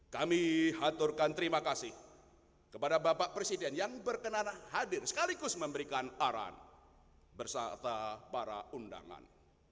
kami haturkan terima kasih kepada bapak presiden yang berkenan hadir sekaligus memberikan arahan berserta para undangan